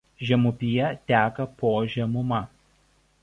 Žemupyje teka Po žemuma.